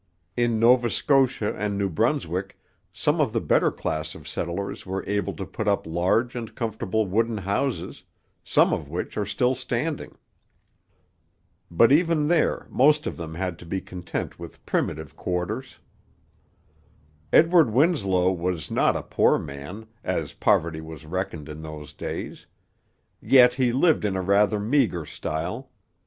In Nova Scotia and New Brunswick some of the better class of settlers were able to put up large and comfortable wooden houses, some of which are still standing. But even there most of them had to be content with primitive quarters. Edward Winslow was not a poor man, as poverty was reckoned in those days. Yet he lived in rather meagre style.